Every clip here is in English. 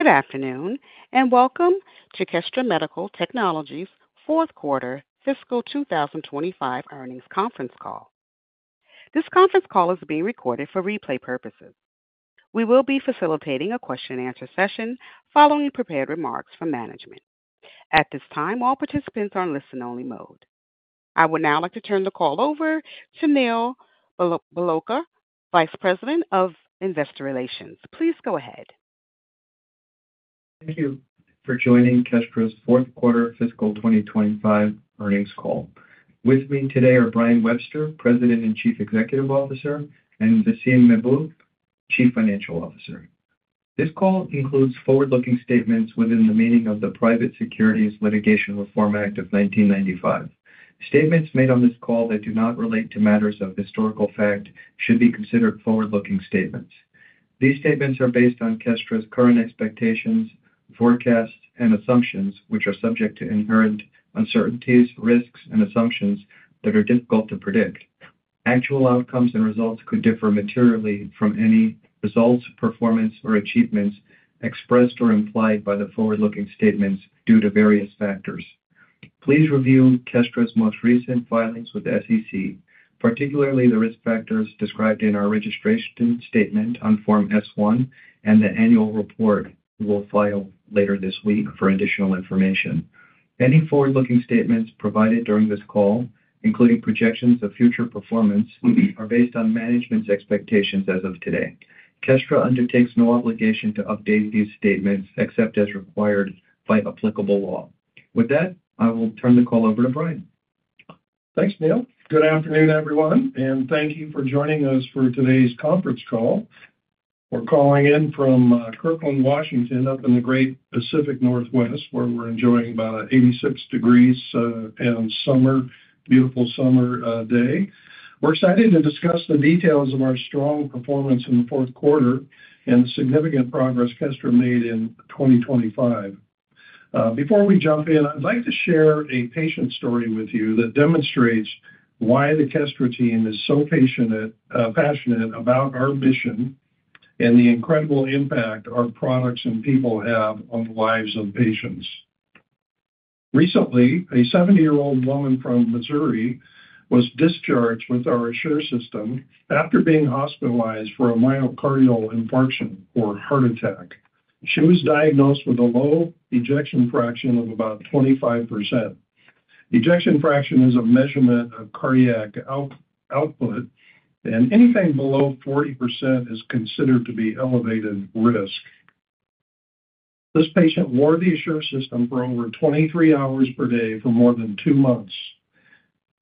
Good afternoon and welcome to Kestra Medical Technologies' Fourth Quarter Fiscal 2025 Earnings Conference call. This conference call is being recorded for replay purposes. We will be facilitating a question-and-answer session following prepared remarks from management. At this time, all participants are in listen-only mode. I would now like to turn the call over to Neil Bhalodkar, Vice President of Investor Relations. Please go ahead. Thank you for joining Kestra Medical Technologies' Fourth Quarter Fiscal 2025 Earnings Call. With me today are Brian Webster, President and Chief Executive Officer, and Vaseem Mahboob, Chief Financial Officer. This call includes forward-looking statements within the meaning of the Private Securities Litigation Reform Act of 1995. Statements made on this call that do not relate to matters of historical fact should be considered forward-looking statements. These statements are based on Kestra Medical Technologies' current expectations, forecasts, and assumptions, which are subject to inherent uncertainties, risks, and assumptions that are difficult to predict. Actual outcomes and results could differ materially from any results, performance, or achievements expressed or implied by the forward-looking statements due to various factors. Please review Kestra Medical Technologies' most recent filings with the SEC, particularly the risk factors described in our registration statement on Form S-1 and the annual report we will file later this week for additional information. Any forward-looking statements provided during this call, including projections of future performance, are based on management's expectations as of today. Kestra Medical Technologies undertakes no obligation to update these statements except as required by applicable law. With that, I will turn the call over to Brian. Thanks, Neil. Good afternoon, everyone, and thank you for joining us for today's conference call. We're calling in from Kirkland, Washington, up in the Great Pacific Northwest, where we're enjoying about 86 degrees and a beautiful summer day. We're excited to discuss the details of our strong performance in the Fourth Quarter and the significant progress Kestra Medical Technologies made in 2025. Before we jump in, I'd like to share a patient story with you that demonstrates why the Kestra team is so passionate about our mission and the incredible impact our products and people have on the lives of patients. Recently, a 70-year-old woman from Missouri was discharged with our Assure System after being hospitalized for a myocardial infarction or heart attack. She was diagnosed with a low Ejection Fraction of about 25%. Ejection Fraction is a measurement of cardiac output, and anything below 40% is considered to be elevated risk. This patient wore the Assure System for over 23 hours per day for more than two months.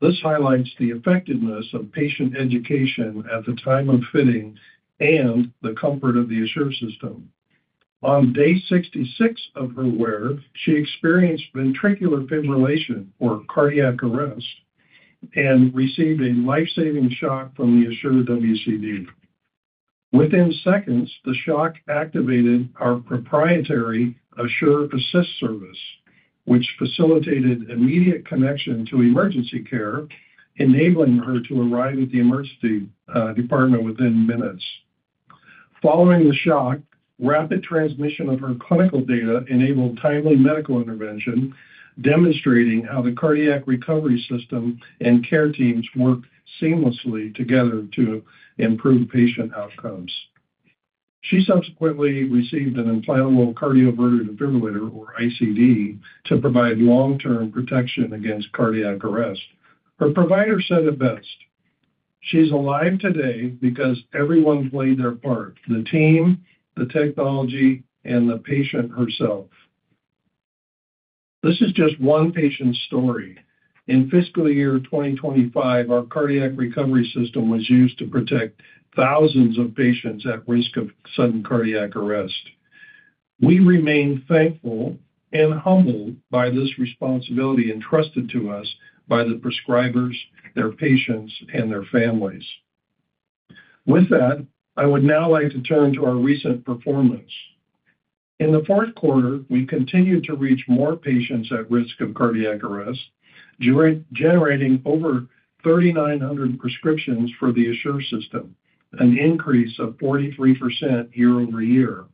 This highlights the effectiveness of patient education at the time of fitting and the comfort of the Assure System. On day 66 of her wear, she experienced Ventricular Fibrillation or cardiac arrest and received a life-saving shock from the Assure WCD. Within seconds, the shock activated our proprietary Assure Assist service, which facilitated immediate connection to emergency care, enabling her to arrive at the emergency department within minutes. Following the shock, rapid transmission of her clinical data enabled timely medical intervention, demonstrating how the cardiac recovery system and care teams work seamlessly together to improve patient outcomes. She subsequently received an implantable Cardioverter Defibrillator or ICD to provide long-term protection against cardiac arrest. Her provider said it best, "She's alive today because everyone played their part: the team, the technology, and the patient herself." This is just one patient's story. In fiscal year 2025, our cardiac recovery system was used to protect thousands of patients at risk of sudden cardiac arrest. We remain thankful and humbled by this responsibility entrusted to us by the prescribers, their patients, and their families. With that, I would now like to turn to our recent performance. In the Fourth Quarter, we continued to reach more patients at risk of cardiac arrest, generating over 3,900 prescriptions for the Assure System, an increase of 43% year-over-year.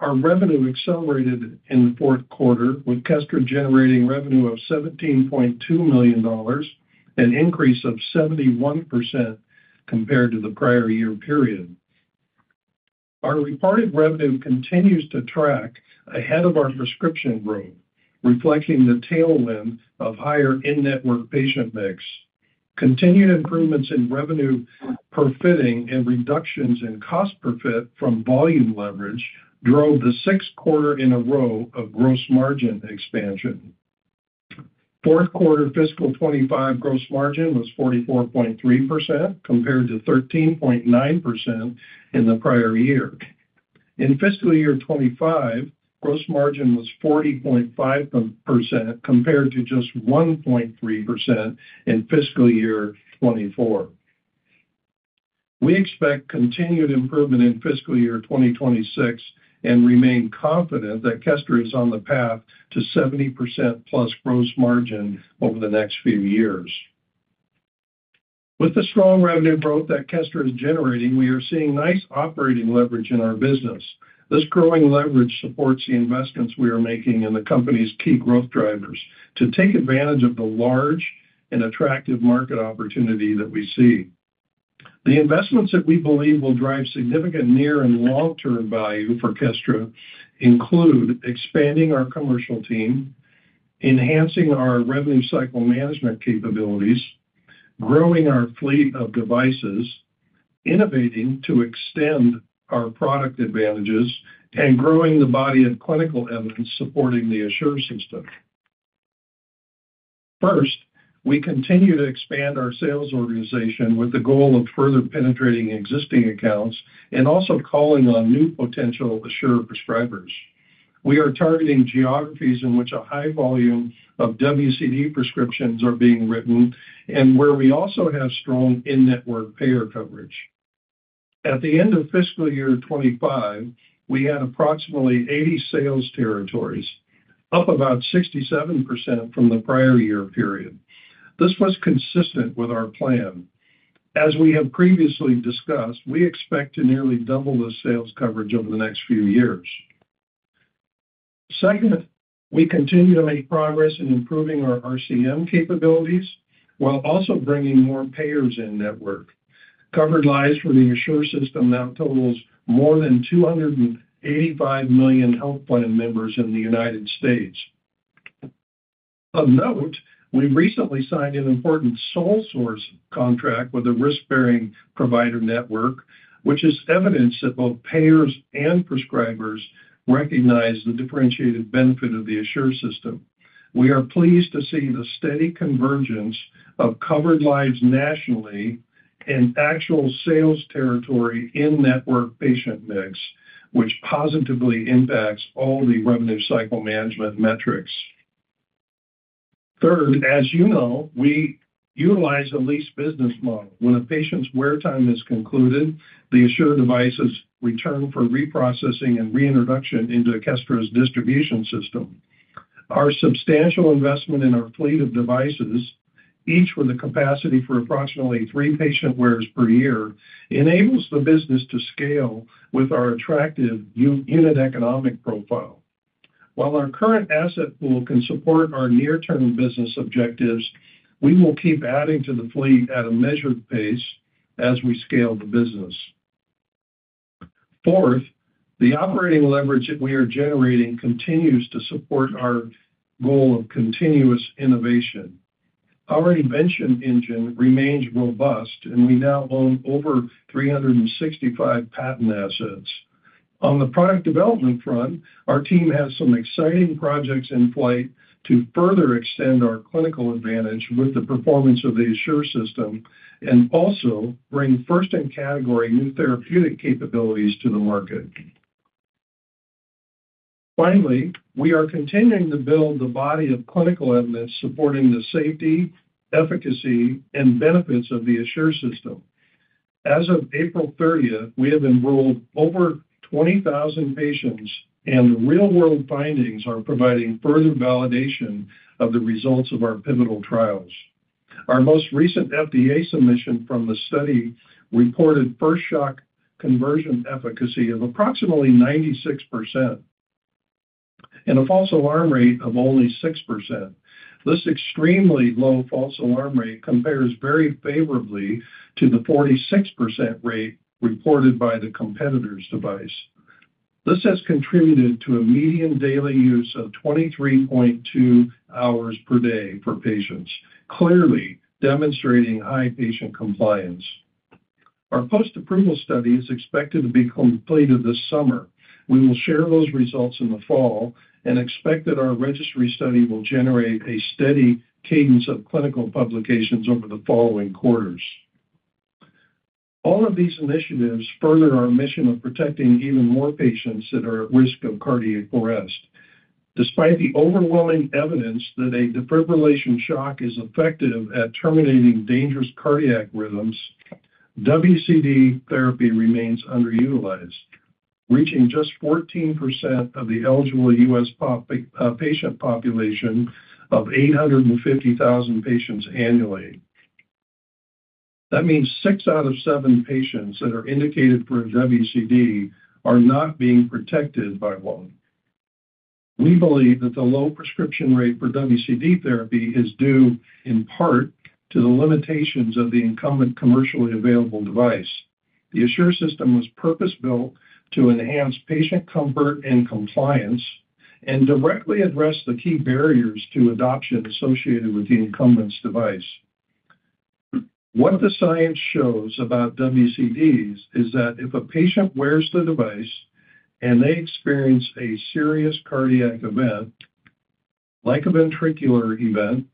Our revenue accelerated in the Fourth Quarter, with Kestra generating revenue of $17.2 million, an increase of 71% compared to the prior year period. Our reported revenue continues to track ahead of our prescription growth, reflecting the tailwind of higher in-network patient mix. Continued improvements in revenue per fitting and reductions in cost per fit from volume leverage drove the sixth quarter in a row of gross margin expansion. Fourth Quarter fiscal 2025 gross margin was 44.3% compared to 13.9% in the prior year. In fiscal year 2025, gross margin was 40.5% compared to just 1.3% in fiscal year 2024. We expect continued improvement in fiscal year 2026 and remain confident that Kestra is on the path to 70% plus gross margin over the next few years. With the strong revenue growth that Kestra is generating, we are seeing nice operating leverage in our business. This growing leverage supports the investments we are making in the company's key growth drivers to take advantage of the large and attractive market opportunity that we see. The investments that we believe will drive significant near and long-term value for Kestra include expanding our commercial team, enhancing our Revenue Cycle Management capabilities, growing our fleet of devices, innovating to extend our product advantages, and growing the body of clinical evidence supporting the Assure System. First, we continue to expand our sales organization with the goal of further penetrating existing accounts and also calling on new potential Assure prescribers. We are targeting geographies in which a high volume of WCD prescriptions are being written and where we also have strong in-network payer coverage. At the end of fiscal year 2025 we had approximately 80 sales territories, up about 67% from the prior year period. This was consistent with our plan. As we have previously discussed, we expect to nearly double the sales coverage over the next few years. Second, we continue to make progress in improving our RCM capabilities while also bringing more payers in network. Covered lives for the Assure System now totals more than 285 million health plan members in the U.S. Of note, we recently signed an important sole-source contract with a risk-bearing provider network, which is evidence that both payers and prescribers recognize the differentiated benefit of the Assure System. We are pleased to see the steady convergence of covered lives nationally and actual sales territory in-network patient mix, which positively impacts all the Revenue Cycle Management metrics. Third, as you know, we utilize a lease-based model. When a patient's wear time is concluded, the Assure devices return for reprocessing and reintroduction into Kestra's distribution system. Our substantial investment in our fleet of devices, each with a capacity for approximately three patient wears per year, enables the business to scale with our attractive unit economic profile. While our current asset pool can support our near-term business objectives, we will keep adding to the fleet at a measured pace as we scale the business. Fourth, the operating leverage that we are generating continues to support our goal of continuous innovation. Our invention engine remains robust, and we now own over 365 patent assets. On the product development front, our team has some exciting projects in flight to further extend our clinical advantage with the performance of the Assure System and also bring first-in-category new therapeutic capabilities to the market. Finally, we are continuing to build the body of clinical evidence supporting the safety, efficacy, and benefits of the Assure System. As of April 30, we have enrolled over 20,000 patients, and real-world findings are providing further validation of the results of our pivotal trials. Our most recent FDA submission from the study reported first shock conversion efficacy of approximately 96% and a false alarm rate of only 6%. This extremely low false alarm rate compares very favorably to the 46% rate reported by the competitor's device. This has contributed to a median daily use of 23.2 hours per day for patients, clearly demonstrating high patient compliance. Our Post-Approval Study is expected to be completed this summer. We will share those results in the fall and expect that our registry study will generate a steady cadence of clinical publications over the following quarters. All of these initiatives further our mission of protecting even more patients that are at risk of cardiac arrest. Despite the overwhelming evidence that a defibrillation shock is effective at terminating dangerous cardiac rhythms, WCD therapy remains underutilized, reaching just 14% of the eligible U.S. patient population of 850,000 patients annually. That means six out of seven patients that are indicated for WCD are not being protected by one. We believe that the low prescription rate for WCD therapy is due in part to the limitations of the incumbent commercially available device. The Assure System was purpose-built to enhance patient comfort and compliance and directly address the key barriers to adoption associated with the incumbent's device. What the science shows about WCDs is that if a patient wears the device and they experience a serious cardiac event, like a ventricular event,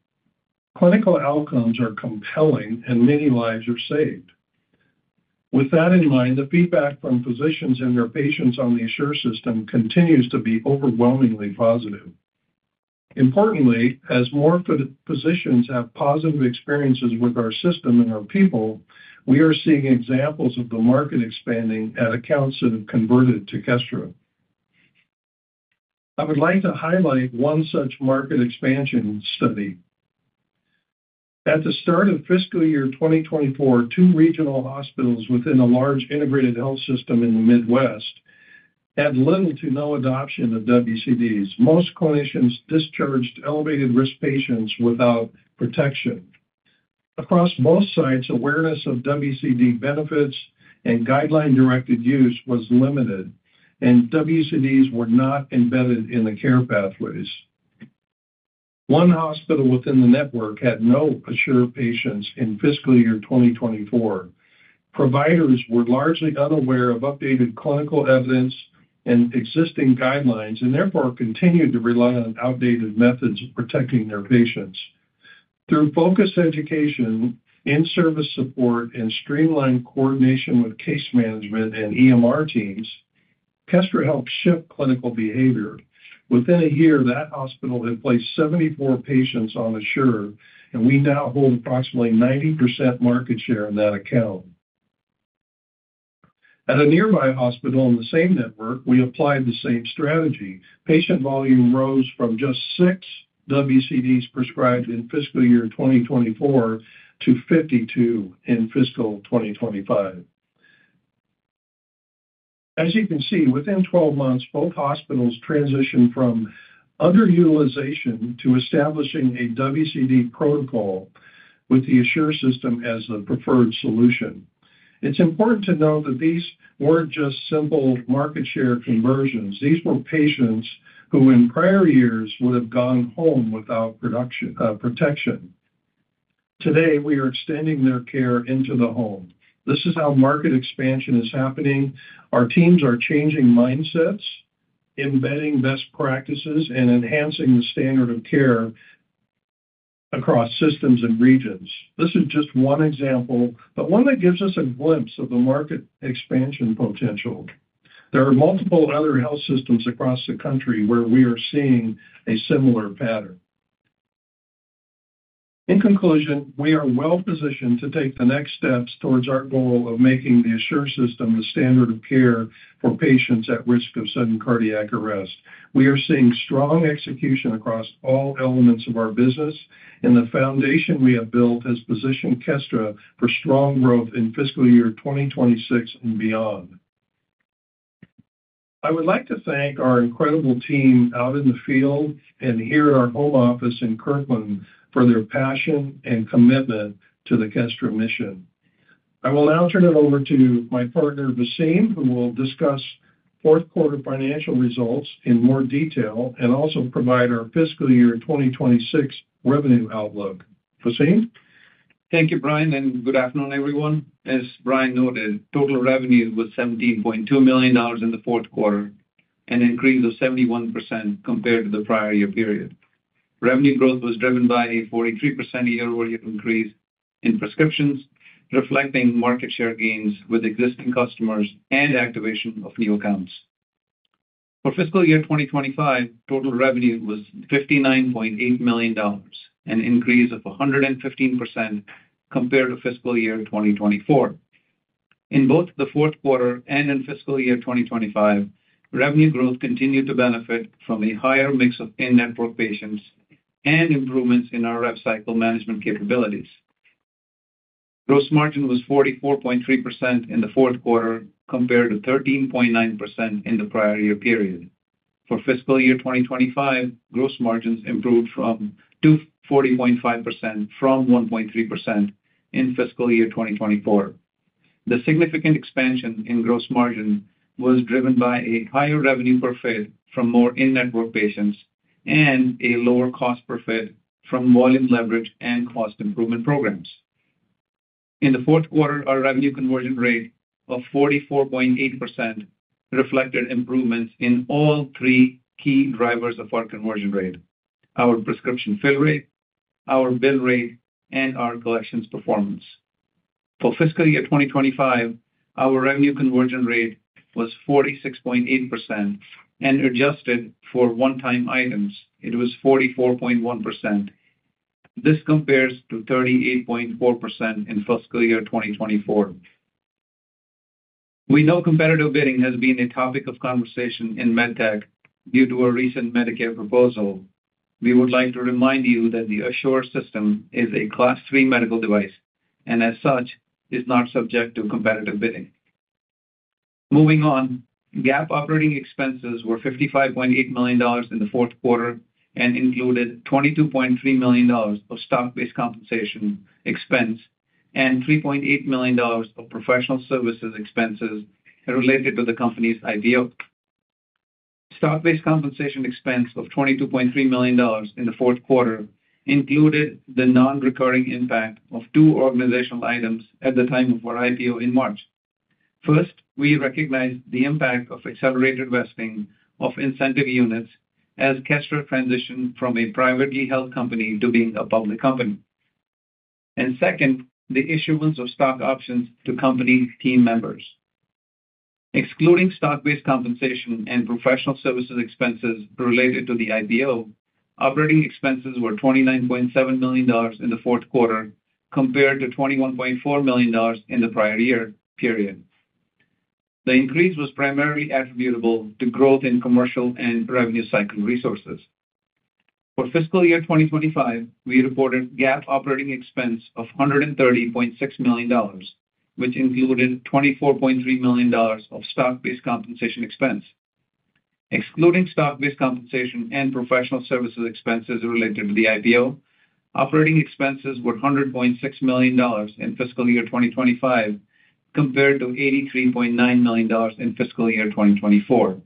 clinical outcomes are compelling and many lives are saved. With that in mind, the feedback from physicians and their patients on the Assure System continues to be overwhelmingly positive. Importantly, as more physicians have positive experiences with our system and our people, we are seeing examples of the market expanding at accounts that have converted to Kestra. I would like to highlight one such market expansion study. At the start of fiscal year 2024, two regional hospitals within a large integrated health system in the Midwest had little to no adoption of WCDs. Most clinicians discharged elevated risk patients without protection. Across both sites, awareness of WCD benefits and guideline-directed use was limited, and WCDs were not embedded in the care pathways. One hospital within the network had no Assure patients in fiscal year 2024. Providers were largely unaware of updated clinical evidence and existing guidelines and therefore continued to rely on outdated methods of protecting their patients. Through focused education, in-service support, and streamlined coordination with case management and EMR teams, Kestra helped shift clinical behavior. Within a year, that hospital had placed 74 patients on Assure, and we now hold approximately 90% market share in that account. At a nearby hospital in the same network, we applied the same strategy. Patient volume rose from just six WCDs prescribed in fiscal year 2024 to 52 in fiscal 2025. As you can see, within 12 months, both hospitals transitioned from underutilization to establishing a WCD protocol with the Assure System as the preferred solution. It's important to note that these weren't just simple market share conversions. These were patients who in prior years would have gone home without protection. Today, we are extending their care into the home. This is how market expansion is happening. Our teams are changing mindsets, embedding best practices, and enhancing the standard of care across systems and regions. This is just one example, but one that gives us a glimpse of the market expansion potential. There are multiple other health systems across the country where we are seeing a similar pattern. In conclusion, we are well-positioned to take the next steps towards our goal of making the Assure System the standard of care for patients at risk of sudden cardiac arrest. We are seeing strong execution across all elements of our business, and the foundation we have built has positioned Kestra for strong growth in fiscal year 2026 and beyond. I would like to thank our incredible team out in the field and here at our home office in Kirkland for their passion and commitment to the Kestra mission. I will now turn it over to my partner, Vaseem, who will discuss Fourth Quarter financial results in more detail and also provide our fiscal year 2026 revenue outlook. Vaseem? Thank you, Brian, and good afternoon, everyone. As Brian noted, total revenue was $17.2 million in the Fourth Quarter, an increase of 71% compared to the prior year period. Revenue growth was driven by a 43% year-over-year increase in prescriptions, reflecting market share gains with existing customers and activation of new accounts. For fiscal year 2025, total revenue was $59.8 million, an increase of 115% compared to fiscal year 2024. In both the Fourth Quarter and in fiscal year 2025, revenue growth continued to benefit from a higher mix of in-network patients and improvements in our Revenue Cycle Management capabilities. Gross margin was 44.3% in the Fourth Quarter compared to 13.9% in the prior year period. For fiscal year 2025, gross margin improved to 40.5% from 1.3% in fiscal year 2024. The significant expansion in gross margin was driven by a higher revenue per fit from more in-network patients and a lower cost per fit from volume leverage and cost improvement programs. In the Fourth Quarter, our revenue conversion rate of 44.8% reflected improvements in all three key drivers of our conversion rate: our prescription fill rate, our bill rate, and our collections performance. For fiscal year 2025, our revenue conversion rate was 46.8% and, adjusted for one-time items, it was 44.1%. This compares to 38.4% in fiscal year 2024. We know competitive bidding has been a topic of conversation in MedTech due to a recent Medicare proposal. We would like to remind you that the Assure System is a Class III medical device and as such is not subject to competitive bidding. Moving on, GAAP operating expenses were $55.8 million in the Fourth Quarter and included $22.3 million of stock-based compensation expense and $3.8 million of professional services expenses related to the company's IPO. Stock-based compensation expense of $22.3 million in the Fourth Quarter included the non-recurring impact of two organizational items at the time of our IPO in March. First, we recognized the impact of accelerated vesting of incentive units as Kestra Medical Technologies transitioned from a privately held company to being a public company. Second, the issuance of stock options to company team members. Excluding stock-based compensation and professional services expenses related to the IPO, operating expenses were $29.7 million in the Fourth Quarter compared to $21.4 million in the prior year period. The increase was primarily attributable to growth in commercial and revenue cycle resources. For fiscal year 2025, we reported GAAP operating expense of $130.6 million, which included $24.3 million of stock-based compensation expense. Excluding stock-based compensation and professional services expenses related to the IPO, operating expenses were $100.6 million in fiscal year 2025 compared to $83.9 million in fiscal year 2024.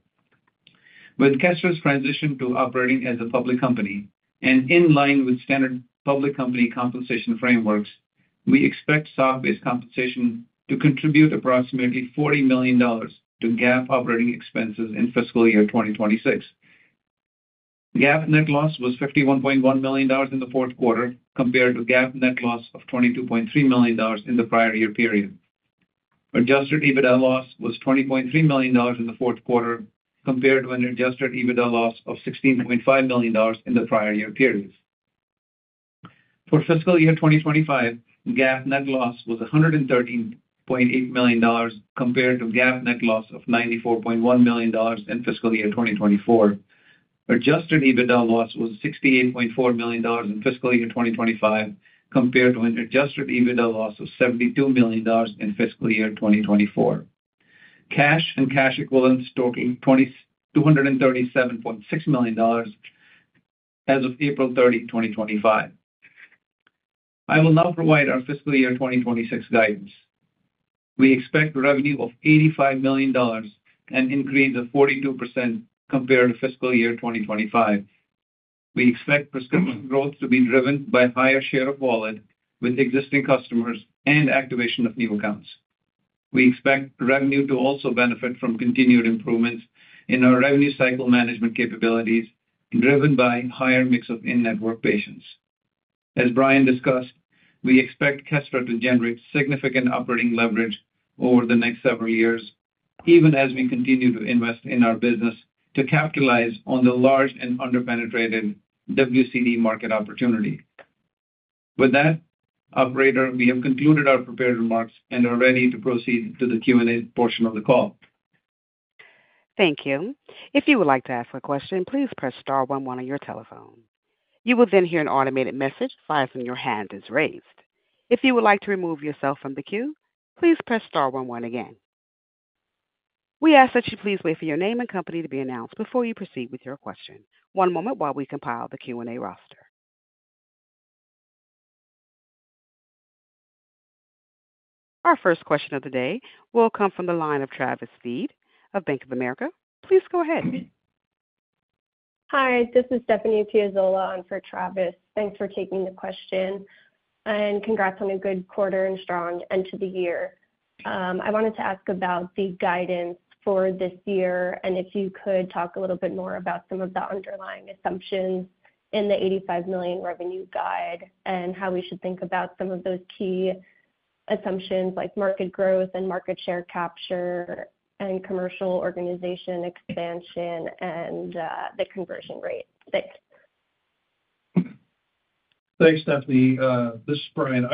With Kestra Medical Technologies' transition to operating as a public company and in line with standard public company compensation frameworks, we expect stock-based compensation to contribute approximately $40 million to GAAP operating expenses in fiscal year 2026. GAAP net loss was $51.1 million in the Fourth Quarter compared to GAAP net loss of $22.3 million in the prior year period. Adjusted EBITDA loss was $20.3 million in the Fourth Quarter compared to an adjusted EBITDA loss of $16.5 million in the prior year period. For fiscal year 2025, GAAP net loss was $113.8 million compared to GAAP net loss of $94.1 million in fiscal year 2024. Adjusted EBITDA loss was $68.4 million in fiscal year 2025 compared to an adjusted EBITDA loss of $72 million in fiscal year 2024. Cash and cash equivalents totaled $237.6 million as of April 30, 2025. I will now provide our fiscal year 2026 guidance. We expect revenue of $85 million and an increase of 42% compared to fiscal year 2025. We expect prescription growth to be driven by a higher share of wallet with existing customers and activation of new accounts. We expect revenue to also benefit from continued improvements in our Revenue Cycle Management capabilities driven by a higher mix of in-network patients. As Brian discussed, we expect Kestra Medical Technologies to generate significant operating leverage over the next several years, even as we continue to invest in our business to capitalize on the large and underpenetrated WCD market opportunity. With that, operator, we have concluded our prepared remarks and are ready to proceed to the Q&A portion of the call. Thank you. If you would like to ask a question, please press star one-one on your telephone. You will then hear an automated message flash when your hand is raised. If you would like to remove yourself from the queue, please press star one-one again. We ask that you please wait for your name and company to be announced before you proceed with your question. One moment while we compile the Q&A roster. Our first question of the day will come from the line of Travis Steed of Bank of America. Please go ahead. Hi, this is Stephanie Daukus. I'm for Travis. Thanks for taking the question, and congrats on a good quarter and strong end to the year. I wanted to ask about the guidance for this year, and if you could talk a little bit more about some of the underlying assumptions in the $85 million revenue guide and how we should think about some of those key assumptions like market growth, market share capture, commercial organization expansion, and the conversion rate. Thanks. Thanks, Stephanie. This is Brian.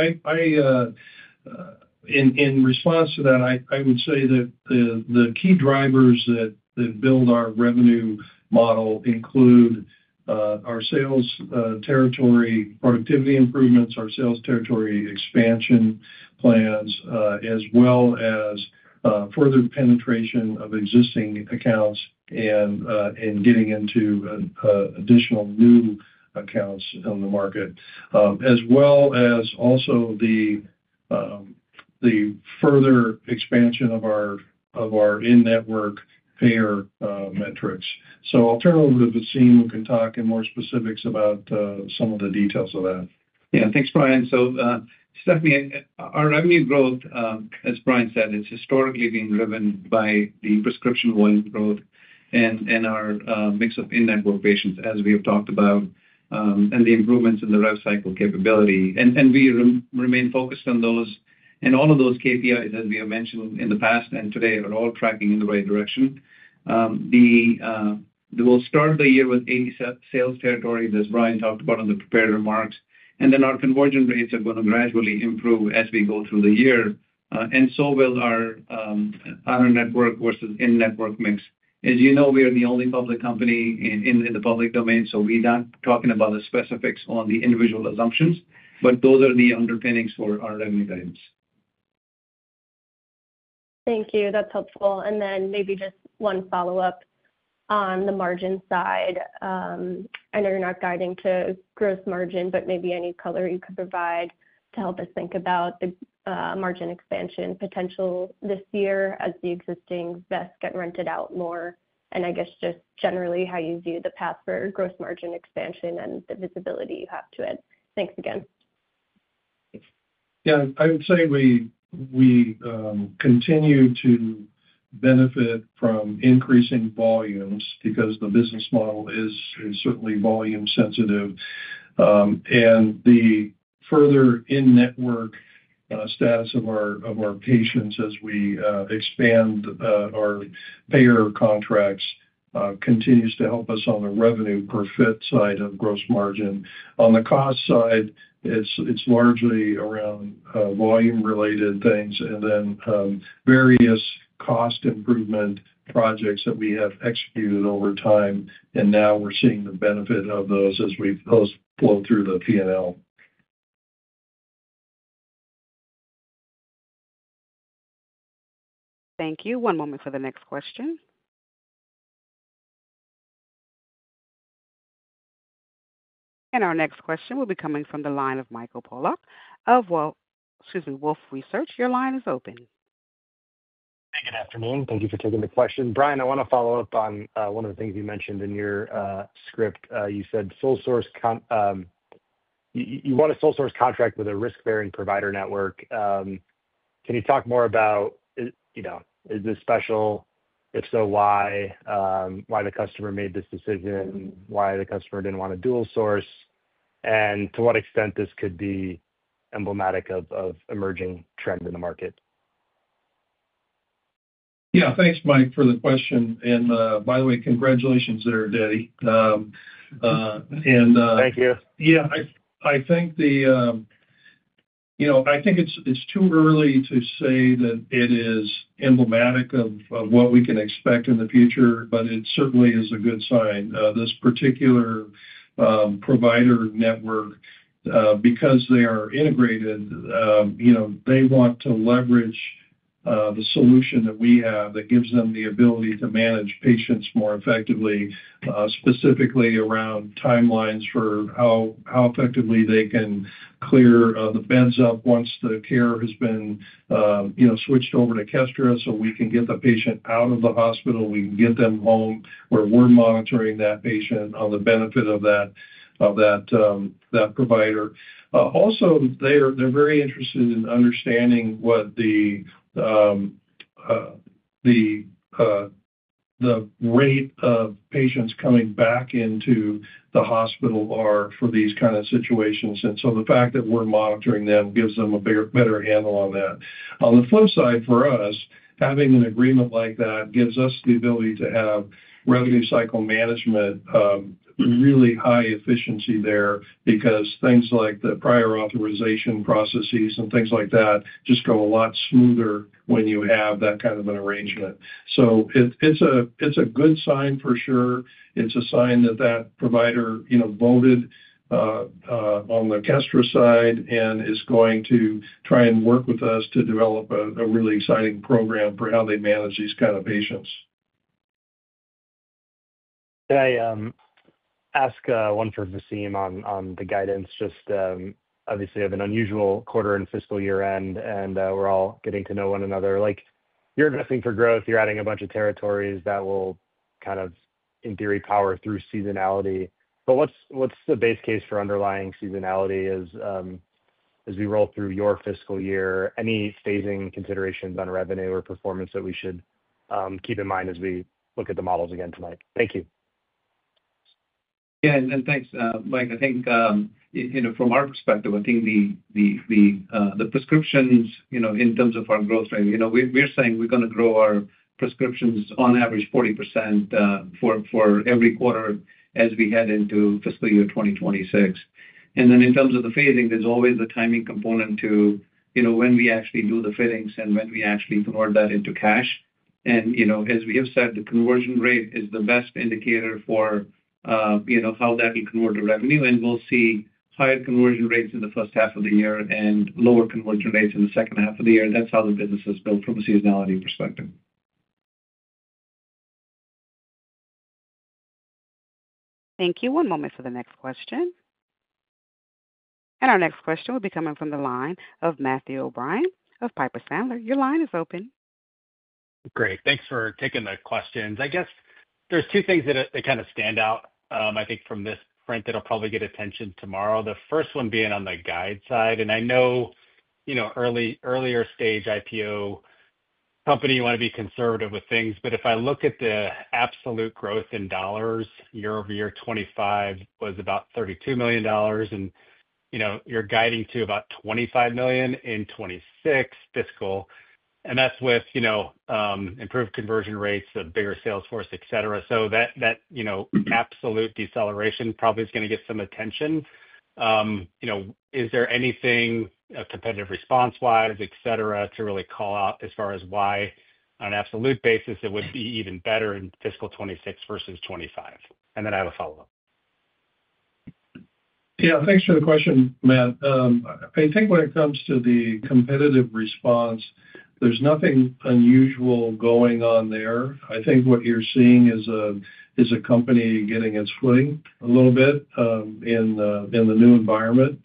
In response to that, I would say that the key drivers that build our revenue model include our sales territory productivity improvements, our sales territory expansion plans, as well as further penetration of existing accounts and getting into additional new accounts in the market, as well as also the further expansion of our in-network payer metrics. I'll turn it over to Vaseem, who can talk in more specifics about some of the details of that. Yeah, thanks, Brian. Stephanie, our revenue growth, as Brian said, it's historically been driven by the prescription-going growth and our mix of in-network patients, as we have talked about, and the improvements in the revenue cycle capability. We remain focused on those. All of those KPIs, as we have mentioned in the past and today, are all tracking in the right direction. We'll start the year with 80 sales territories, as Brian talked about in the prepared remarks. Our conversion rates are going to gradually improve as we go through the year, and so will our out-of-network versus in-network mix. As you know, we are the only public company in the public domain, so we're not talking about the specifics on the individual assumptions, but those are the underpinnings for our revenue guidance. Thank you. That's helpful. Maybe just one follow-up on the margin side. I know you're not guiding to gross margin, but maybe any color you could provide to help us think about the margin expansion potential this year as the existing vests get rented out more. I guess just generally how you view the path for gross margin expansion and the visibility you have to it. Thanks again. Yeah, I would say we continue to benefit from increasing volumes because the business model is certainly volume-sensitive. The further in-network status of our patients as we expand our payer contracts continues to help us on the revenue per fit side of gross margin. On the cost side, it's largely around volume-related things and various cost improvement projects that we have executed over time. Now we're seeing the benefit of those as we flow through the P&L. Thank you. One moment for the next question. Our next question will be coming from the line of Michael Pollock of Wolf Research. Your line is open. Hey, good afternoon. Thank you for taking the question. Brian, I want to follow up on one of the things you mentioned in your script. You said sole-source, you want a sole-source contract with a risk-bearing provider network. Can you talk more about, you know, is this special? If so, why? Why the customer made this decision? Why the customer didn't want to dual-source? To what extent this could be emblematic of an emerging trend in the market? Yeah, thanks, Mike, for the question. By the way, congratulations to our daddy. Thank you. I think it's too early to say that it is emblematic of what we can expect in the future, but it certainly is a good sign. This particular provider network, because they are integrated, want to leverage the solution that we have that gives them the ability to manage patients more effectively, specifically around timelines for how effectively they can clear the beds up once the care has been switched over to Kestra so we can get the patient out of the hospital. We can get them home where we're monitoring that patient on the benefit of that provider. Also, they're very interested in understanding what the rate of patients coming back into the hospital are for these kinds of situations. The fact that we're monitoring them gives them a better handle on that. On the flip side, for us, having an agreement like that gives us the ability to have Revenue Cycle Management, really high efficiency there because things like the prior authorization processes and things like that just go a lot smoother when you have that kind of an arrangement. It's a good sign for sure. It's a sign that that provider voted on the Kestra side and is going to try and work with us to develop a really exciting program for how they manage these kinds of patients. Can I ask one for Vaseem on the guidance? Obviously, we have an unusual quarter and fiscal year end, and we're all getting to know one another. You're investing for growth, you're adding a bunch of territories that will, in theory, power through seasonality. What's the base case for underlying seasonality as we roll through your fiscal year? Any phasing considerations on revenue or performance that we should keep in mind as we look at the models again tonight? Thank you. Yeah, thanks, Mike. I think from our perspective, the prescriptions, in terms of our growth rate, we're saying we're going to grow our prescriptions on average 40% for every quarter as we head into fiscal year 2026. In terms of the phasing, there's always the timing component to when we actually do the fillings and when we actually convert that into cash. As we have said, the conversion rate is the best indicator for how that will convert to revenue. We'll see higher conversion rates in the first half of the year and lower conversion rates in the second half of the year. That's how the business is built from a seasonality perspective. Thank you. One moment for the next question. Our next question will be coming from the line of Matthew O'Brien of Piper Sandler. Your line is open. Great. Thanks for taking the questions. I guess there's two things that kind of stand out, I think, from this print that'll probably get attention tomorrow. The first one being on the guide side. I know, you know, early earlier stage IPO company, you want to be conservative with things. If I look at the absolute growth in dollars, year-over-year 2025 was about $32 million, and you're guiding to about $25 million in 2026 fiscal. That's with, you know, improved conversion rates, a bigger sales force, etc. That absolute deceleration probably is going to get some attention. Is there anything competitive response-wise, etc., to really call out as far as why on an absolute basis it would be even better in fiscal 2026 versus 2025? I have a follow-up. Yeah, thanks for the question, Matt. I think when it comes to the competitive response, there's nothing unusual going on there. I think what you're seeing is a company getting its footing a little bit in the new environment.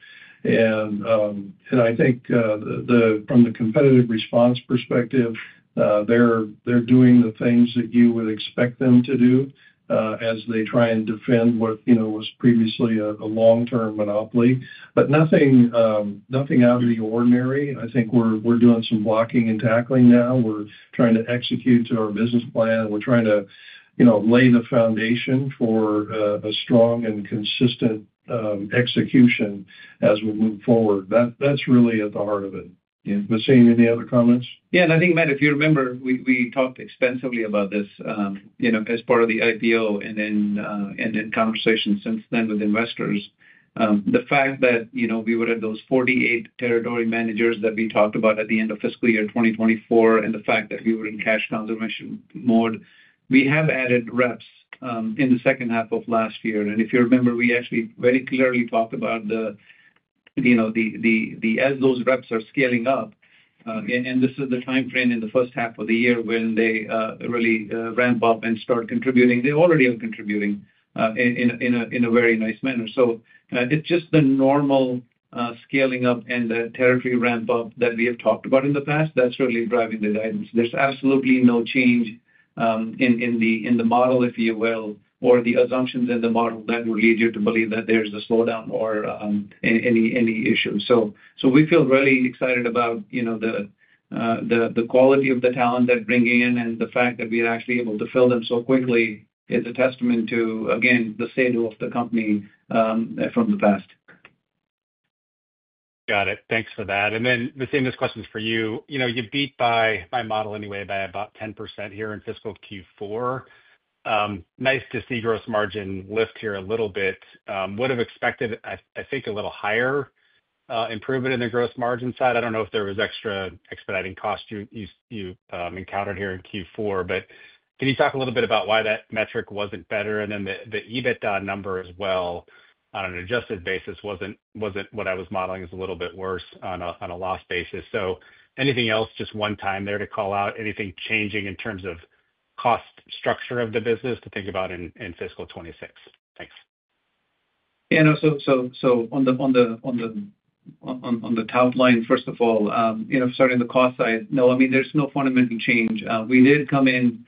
I think from the competitive response perspective, they're doing the things that you would expect them to do as they try to defend what, you know, was previously a long-term monopoly. Nothing out of the ordinary. I think we're doing some blocking and tackling now. We're trying to execute to our business plan, and we're trying to lay the foundation for a strong and consistent execution as we move forward. That's really at the heart of it. Vaseem, any other comments? Yeah, and I think, Matt, if you remember, we talked extensively about this as part of the IPO and in conversations since then with investors. The fact that we were at those 48 territory managers that we talked about at the end of fiscal year 2024 and the fact that we were in cash conservation mode, we have added reps in the second half of last year. If you remember, we actually very clearly talked about the, you know, as those reps are scaling up, and this is the timeframe in the first half of the year when they really ramp up and start contributing, they already are contributing in a very nice manner. It's just the normal scaling up and the territory ramp-up that we have talked about in the past that's really driving the guidance. There's absolutely no change in the model, if you will, or the assumptions in the model that would lead you to believe that there's a slowdown or any issue. We feel really excited about the quality of the talent that we're bringing in and the fact that we are actually able to fill them so quickly is a testament to, again, the state of the company from the past. Got it. Thanks for that. Vaseem, this question is for you. You beat by my model anyway by about 10% here in fiscal Q4. Nice to see gross margin lift here a little bit. I would have expected, I think, a little higher improvement in the gross margin side. I don't know if there was extra expediting cost you encountered here in Q4, but can you talk a little bit about why that metric wasn't better? The EBITDA number as well on an adjusted basis wasn't what I was modeling, is a little bit worse on a loss basis. Is there anything else just one time there to call out, anything changing in terms of cost structure of the business to think about in fiscal 2026? Thanks. Yeah, no, so on the top line, first of all, you know, starting the cost side, no, I mean, there's no fundamental change. We did come in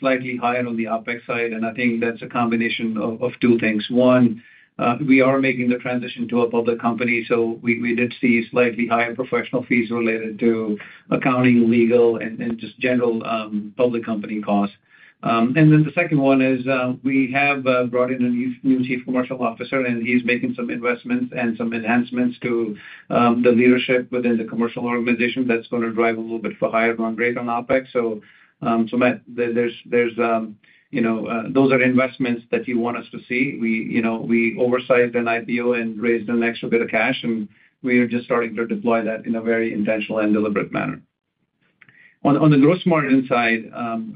slightly higher on the OpEx side, and I think that's a combination of two things. One, we are making the transition to a public company, so we did see slightly higher professional fees related to accounting, legal, and just general public company costs. The second one is we have brought in a new Chief Commercial Officer, and he's making some investments and some enhancements to the leadership within the commercial organization that's going to drive a little bit for higher run rate on OpEx. Matt, those are investments that you want us to see. We, you know, we oversized an IPO and raised an extra bit of cash, and we are just starting to deploy that in a very intentional and deliberate manner. On the gross margin side,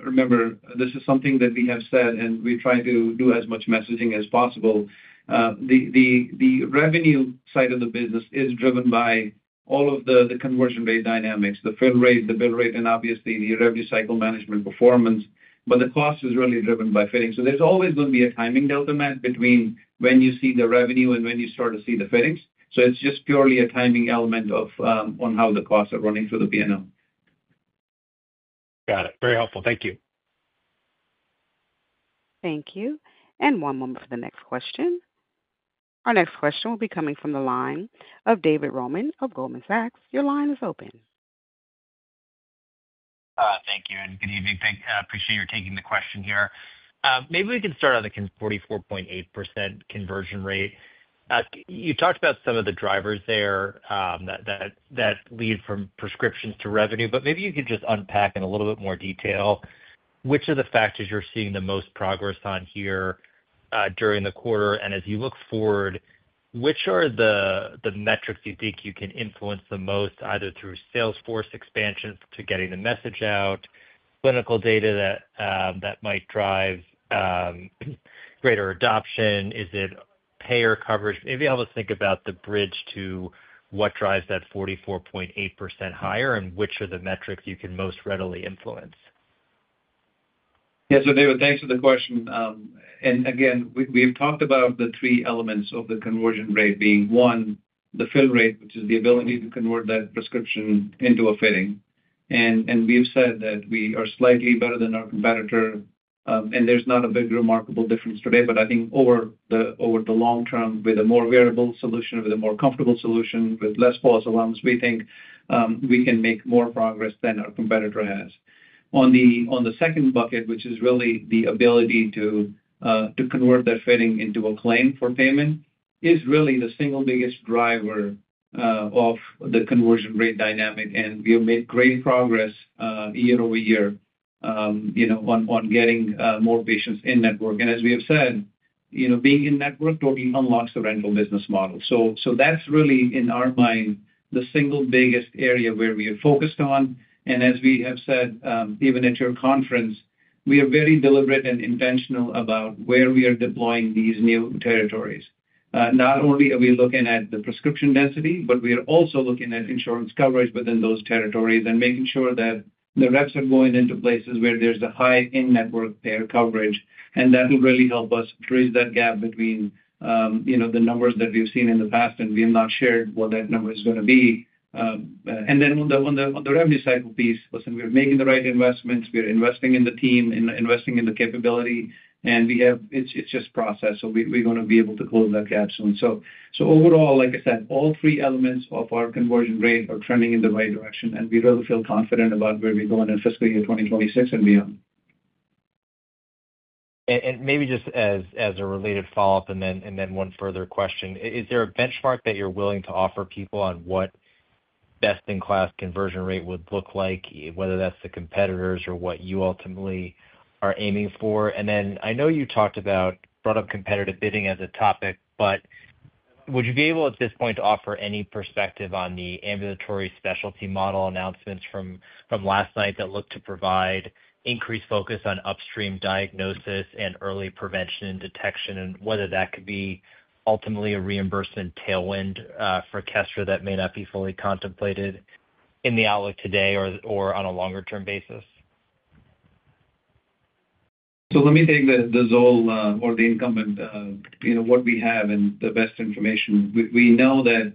remember, this is something that we have said, and we try to do as much messaging as possible. The revenue side of the business is driven by all of the conversion rate dynamics, the fill rate, the bill rate, and obviously the Revenue Cycle Management performance. The cost is really driven by fitting. There's always going to be a timing delta, Matt, between when you see the revenue and when you start to see the fittings. It's just purely a timing element of how the costs are running through the P&L. Got it. Very helpful. Thank you. Thank you. One moment for the next question. Our next question will be coming from the line of David Roman of Goldman Sachs. Your line is open. Thank you, and good evening. Thank you. I appreciate your taking the question here. Maybe we can start on the 44.8% conversion rate. You talked about some of the drivers there that lead from prescriptions to revenue, but maybe you could just unpack in a little bit more detail which are the factors you're seeing the most progress on here during the quarter. As you look forward, which are the metrics you think you can influence the most, either through salesforce expansion to getting the message out, clinical data that might drive greater adoption? Is it payer coverage? Maybe help us think about the bridge to what drives that 44.8% higher and which are the metrics you can most readily influence. Yeah, so David, thanks for the question. Again, we have talked about the three elements of the conversion rate being one, the fill rate, which is the ability to convert that prescription into a fitting. We have said that we are slightly better than our competitor, and there's not a big remarkable difference today. I think over the long term, with a more wearable solution, with a more comfortable solution, with less false alarms, we think we can make more progress than our competitor has. The second bucket, which is really the ability to convert that fitting into a claim for payment, is really the single biggest driver of the conversion rate dynamic. We have made great progress year-over-year on getting more patients in network. As we have said, being in network totally unlocks the rental business model. That's really, in our mind, the single biggest area where we are focused. As we have said, even at your conference, we are very deliberate and intentional about where we are deploying these new territories. Not only are we looking at the prescription density, but we are also looking at insurance coverage within those territories and making sure that the reps are going into places where there's a high in-network payer coverage. That will really help us bridge that gap between the numbers that we've seen in the past, and we have not shared what that number is going to be. On the revenue cycle piece, listen, we're making the right investments. We're investing in the team, investing in the capability. It's just process. We're going to be able to close that gap soon. Overall, like I said, all three elements of our conversion rate are trending in the right direction. We really feel confident about where we go in fiscal year 2026 and beyond. Maybe just as a related follow-up and then one further question, is there a benchmark that you're willing to offer people on what best-in-class conversion rate would look like, whether that's the competitors or what you ultimately are aiming for? I know you talked about, brought up competitive bidding as a topic, but would you be able at this point to offer any perspective on the ambulatory specialty model announcements from last night that look to provide increased focus on upstream diagnosis and early prevention and detection and whether that could be ultimately a reimbursement tailwind for Kestra that may not be fully contemplated in the outlook today or on a longer-term basis? Let me take the Zoll or the incumbent, you know, what we have and the best information. We know that,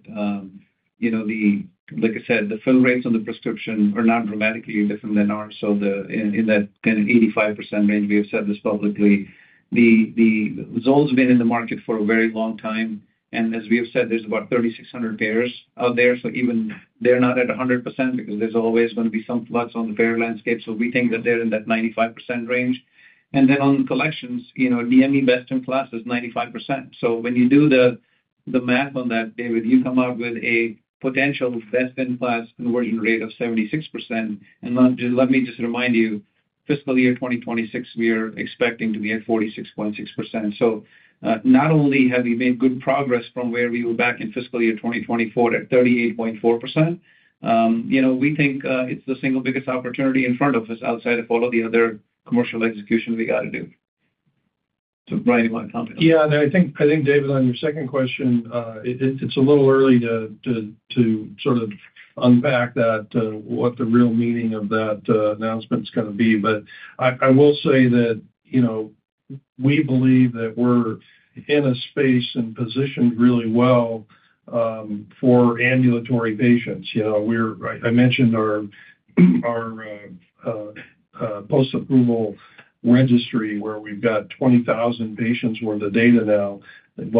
like I said, the fill rates on the prescription are not dramatically different than ours. In that kind of 85% range, we have said this publicly. Zoll's been in the market for a very long time. As we have said, there's about 3,600 payers out there. Even they're not at 100% because there's always going to be some flux on the payer landscape. We think that they're in that 95% range. On collections, DME best-in-class is 95%. When you do the math on that, David, you come out with a potential best-in-class conversion rate of 76%. Let me just remind you, fiscal year 2026, we are expecting to be at 46.6%. Not only have we made good progress from where we were back in fiscal year 2024 at 38.4%, we think it's the single biggest opportunity in front of us outside of all of the other commercial execution we got to do. Brian, you want to complement? I think, David, on your second question, it's a little early to sort of unpack that, what the real meaning of that announcement is going to be. I will say that we believe that we're in a space and positioned really well for ambulatory patients. I mentioned our post-approval registry where we've got 20,000 patients worth of data now.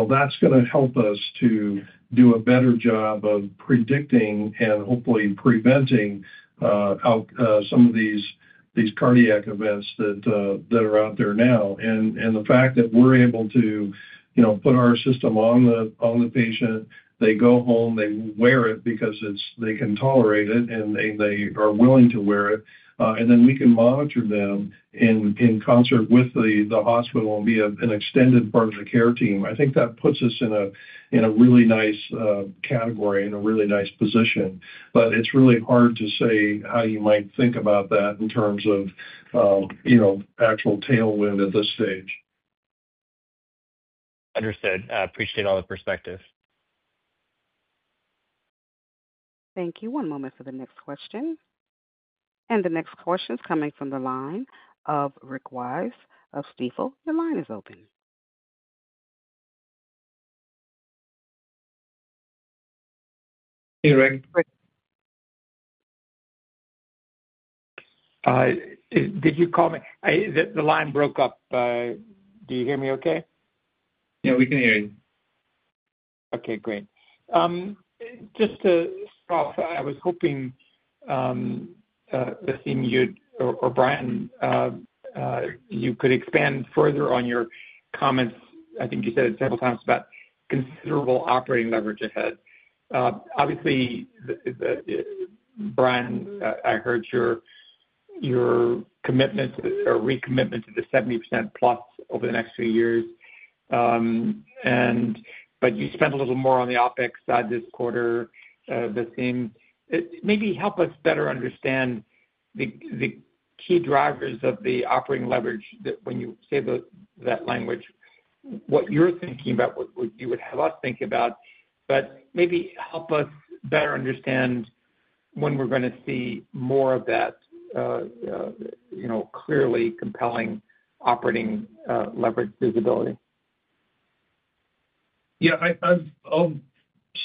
That's going to help us to do a better job of predicting and hopefully preventing some of these cardiac events that are out there now. The fact that we're able to put our system on the patient, they go home, they wear it because they can tolerate it and they are willing to wear it, and then we can monitor them in concert with the hospital and be an extended part of the care team, I think that puts us in a really nice category, in a really nice position. It's really hard to say how you might think about that in terms of actual tailwind at this stage. Understood. Appreciate all the perspective. Thank you. One moment for the next question. The next question is coming from the line of Rick Wise of Stifel. Your line is open. Hey, Rick. Did you call me? The line broke up. Do you hear me okay? Yeah, we can hear you. Okay, great. Just to start off, I was hoping, Vaseem or Brian, you could expand further on your comments. I think you said it several times about considerable operating leverage ahead. Obviously, Brian, I heard your commitment or recommitment to the 70%+ over the next few years. You spent a little more on the OpEx side this quarter, Vaseem. Maybe help us better understand the key drivers of the operating leverage that when you say that language, what you're thinking about, what you would have us think about, maybe help us better understand when we're going to see more of that, you know, clearly compelling operating leverage visibility. Yeah, I'll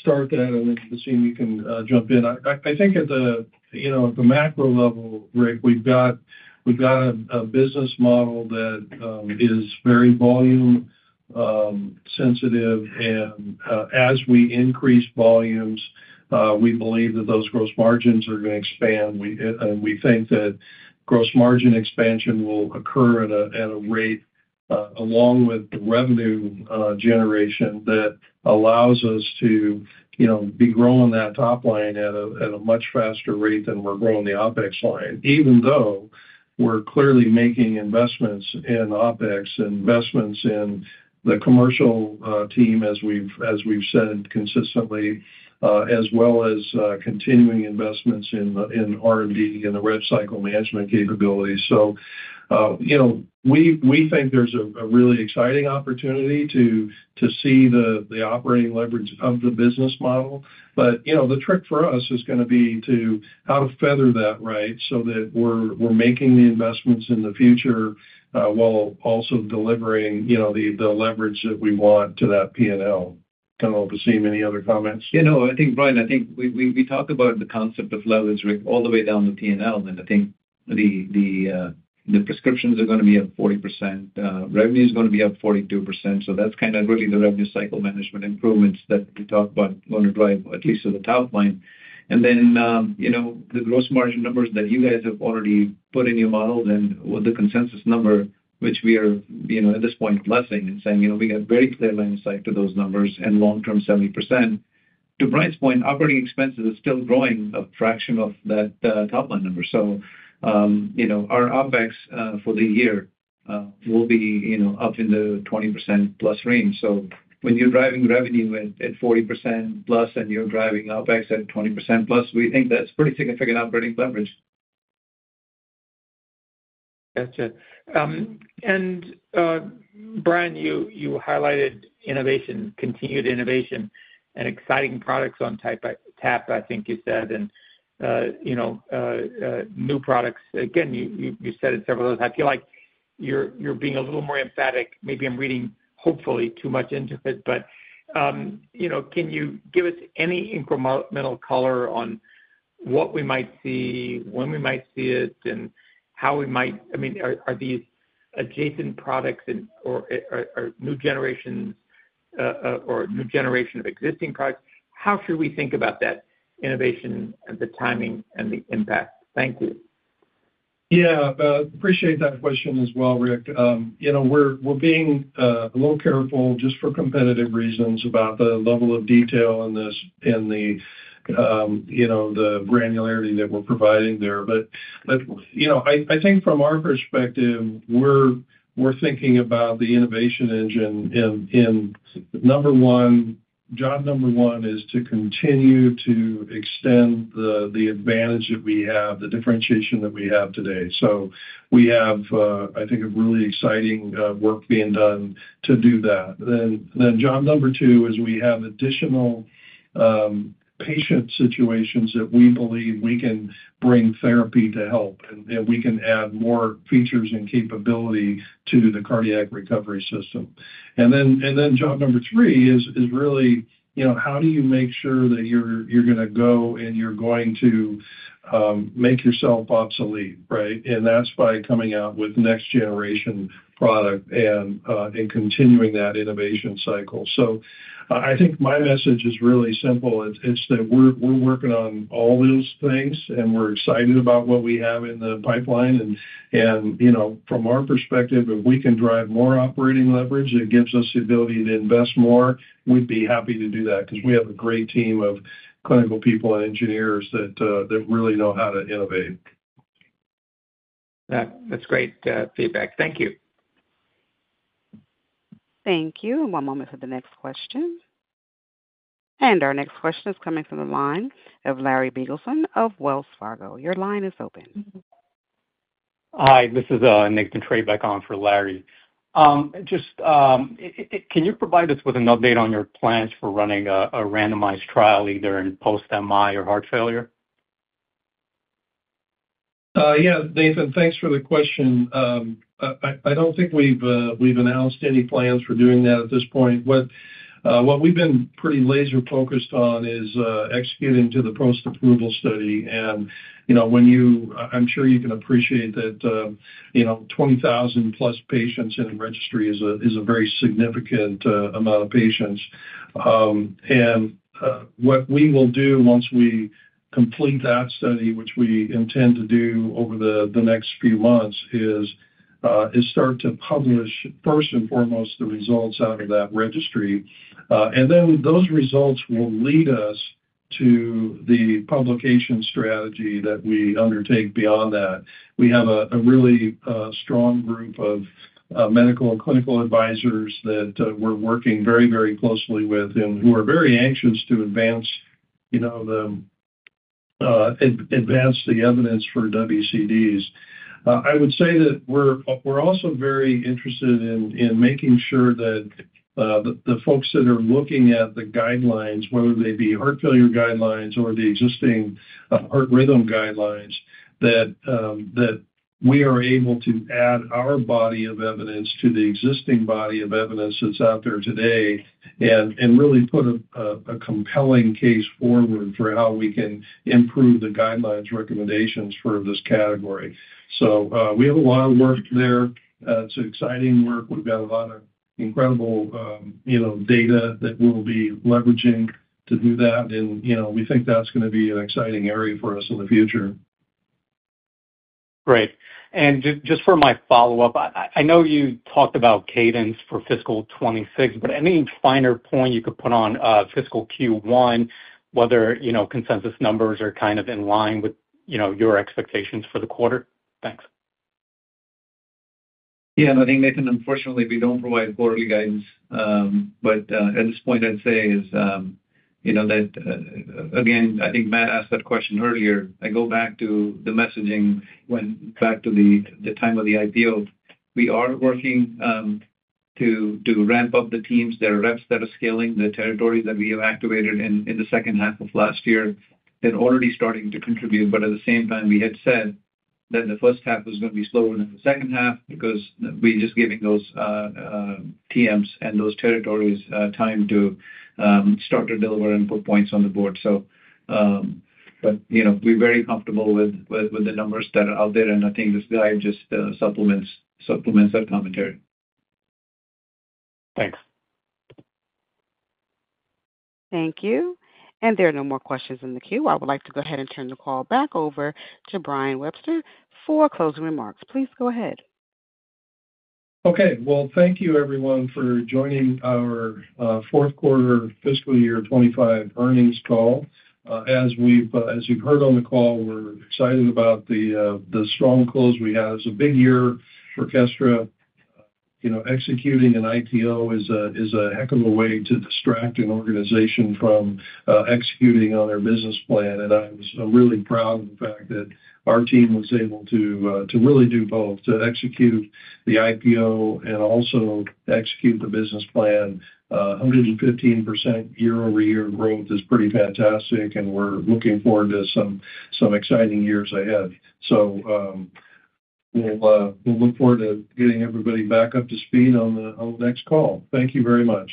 start that and then Vaseem, you can jump in. I think at the, you know, at the macro level, Rick, we've got a business model that is very volume sensitive. As we increase volumes, we believe that those gross margins are going to expand. We think that gross margin expansion will occur at a rate along with the revenue generation that allows us to be growing that top line at a much faster rate than we're growing the OpEx line, even though we're clearly making investments in OpEx and investments in the commercial team, as we've said consistently, as well as continuing investments in R&D and the Revenue Cycle Management capabilities. We think there's a really exciting opportunity to see the operating leverage of the business model. The trick for us is going to be how to feather that right so that we're making the investments in the future while also delivering the leverage that we want to that P&L. I don't know, Vaseem, any other comments? Yeah, no, I think, Brian, I think we talked about the concept of leverage, Rick, all the way down to P&L. I think the prescriptions are going to be up 40%. Revenue is going to be up 42%. That's kind of really the Revenue Cycle Management improvements that we talked about going to drive at least to the top line. The gross margin numbers that you guys have already put in your models and with the consensus number, which we are, at this point, blessing and saying we have very clear line of sight to those numbers and long-term 70%. To Brian's point, operating expenses are still growing a fraction of that top line number. Our OpEx for the year will be up in the 20% plus range. When you're driving revenue at 40% plus and you're driving OpEx at 20% plus, we think that's pretty significant operating leverage. Gotcha. Brian, you highlighted innovation, continued innovation, and exciting products on tap, I think you said, and, you know, new products. You said it several times. I feel like you're being a little more emphatic. Maybe I'm reading hopefully too much into it, but, you know, can you give us any incremental color on what we might see, when we might see it, and how we might, I mean, are these adjacent products or new generations or a new generation of existing products? How should we think about that innovation and the timing and the impact? Thank you. Yeah, I appreciate that question as well, Rick. We're being a little careful just for competitive reasons about the level of detail in this and the granularity that we're providing there. I think from our perspective, we're thinking about the innovation engine and number one, job number one is to continue to extend the advantage that we have, the differentiation that we have today. We have, I think, really exciting work being done to do that. Job number two is we have additional patient situations that we believe we can bring therapy to help, and we can add more features and capability to the cardiac recovery platform. Job number three is really, you know, how do you make sure that you're going to go and you're going to make yourself obsolete, right? That's by coming out with next-generation product and continuing that innovation cycle. I think my message is really simple. We're working on all those things, and we're excited about what we have in the pipeline. From our perspective, if we can drive more operating leverage, it gives us the ability to invest more. We'd be happy to do that because we have a great team of clinical people and engineers that really know how to innovate. That's great feedback. Thank you. Thank you. One moment for the next question. Our next question is coming from the line of Larry Biegelsen of Wells Fargo. Your line is open. Hi, this is Nick. The trade back on for Larry. Just can you provide us with an update on your plans for running a randomized trial either in post-MI or heart failure? Yeah, Nathan, thanks for the question. I don't think we've announced any plans for doing that at this point. What we've been pretty laser-focused on is executing to the Post-Approval Study. You know, 20,000-plus patients in the registry is a very significant amount of patients. What we will do once we complete that study, which we intend to do over the next few months, is start to publish, first and foremost, the results out of that registry. Those results will lead us to the publication strategy that we undertake beyond that. We have a really strong group of medical and clinical advisors that we're working very, very closely with and who are very anxious to advance the evidence for WCDs. I would say that we're also very interested in making sure that the folks that are looking at the guidelines, whether they be heart failure guidelines or the existing heart rhythm guidelines, that we are able to add our body of evidence to the existing body of evidence that's out there today and really put a compelling case forward for how we can improve the guidelines recommendations for this category. We have a lot of work there. It's exciting work. We've got a lot of incredible data that we'll be leveraging to do that. We think that's going to be an exciting area for us in the future. Great. Just for my follow-up, I know you talked about cadence for fiscal 2026, but any finer point you could put on fiscal Q1, whether consensus numbers are kind of in line with your expectations for the quarter? Thanks. Yeah, I think, Nathan, unfortunately, we don't provide quarterly guidance. At this point, I'd say is, you know, that, again, I think Matt asked that question earlier. I go back to the messaging when back to the time of the IPO. We are working to ramp up the teams. There are reps that are scaling the territories that we have activated in the second half of last year. They're already starting to contribute. At the same time, we had said that the first half was going to be slower than the second half because we're just giving those TMs and those territories time to start to deliver and put points on the board. We're very comfortable with the numbers that are out there. I think this guide just supplements that commentary. Thanks. Thank you. There are no more questions in the queue. I would like to go ahead and turn the call back over to Brian Webster for closing remarks. Please go ahead. Thank you, everyone, for joining our Fourth Quarter fiscal year 2025 earnings call. As you've heard on the call, we're excited about the strong close we have. It's a big year for Kestra Medical Technologies. Executing an IPO is a heck of a way to distract an organization from executing on their business plan. I was really proud of the fact that our team was able to really do both, to execute the IPO and also execute the business plan. 115% year-over-year growth is pretty fantastic, and we're looking forward to some exciting years ahead. We'll look forward to getting everybody back up to speed on the next call. Thank you very much.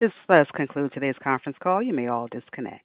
This does conclude today's conference call. You may all disconnect.